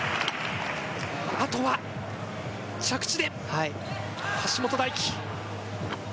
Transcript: あとは着地で、橋本大輝！